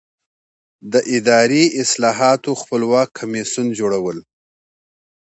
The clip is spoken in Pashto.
د اداري اصلاحاتو خپلواک کمیسیون جوړول.